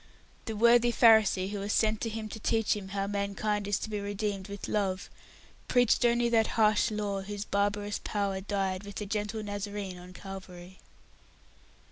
The worthy Pharisee who was sent to him to teach him how mankind is to be redeemed with Love, preached only that harsh Law whose barbarous power died with the gentle Nazarene on Calvary.